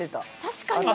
確かに。